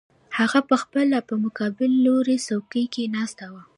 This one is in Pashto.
هغه پخپله په مقابل لوري څوکۍ کې ناست و